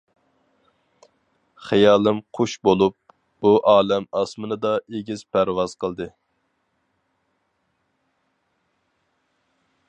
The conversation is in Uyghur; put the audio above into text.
خىيالىم قۇش بولۇپ بۇ ئالەم ئاسمىنىدا ئېگىز پەرۋاز قىلدى.